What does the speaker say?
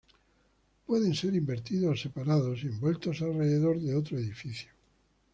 Pueden ser invertidos o separados y envueltos alrededor de otro edificio.